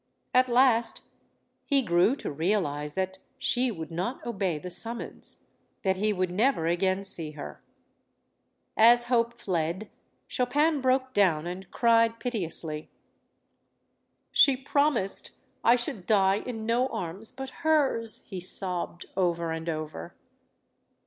At last he grew to realize that she would not obey the sum mons, that he would never again see her. As hope fled, Chopin broke down and cried piteously. "She promised I should die in no arms but hers!" he sobbed over and over.